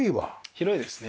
広いですね。